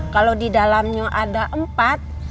kalau di dalamnya ada empat